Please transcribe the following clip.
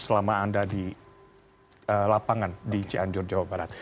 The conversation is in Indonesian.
selama anda di lapangan di cianjur jawa barat